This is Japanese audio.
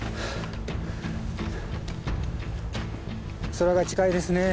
空が近いですね。